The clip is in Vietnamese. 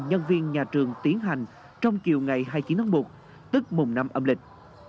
nhân viên nhà trường tiến hành trong chiều ngày hai mươi chín tháng một tức mùng năm âm lịch